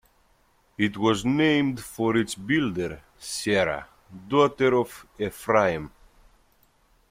It was named for its builder, Sherah, daughter of Ephraim.